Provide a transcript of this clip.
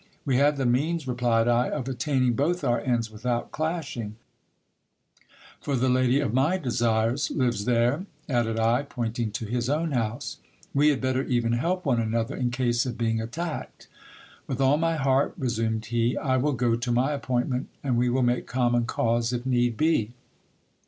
We have the means, replied I, of attaining both our ends without clashing ; for the lady of my desires lives there, added I, pointing to his own house. We had better even help one another, in case of being attacked. With all my heart, resumed he ; I will go to my appointment, and we will make common cause if need be.